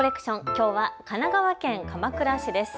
きょうは神奈川県鎌倉市です。